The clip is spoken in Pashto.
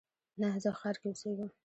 نه، زه ښار کې اوسیږم